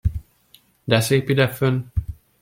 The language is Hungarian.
De szép idefönn!